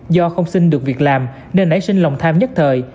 do không xin được việc làm nên ấy xin lòng tham nhất thời